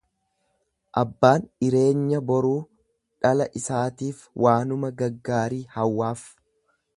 Abbaan ireenya boruu dhala isaatiif waanuma gaggaarii hawwaaf.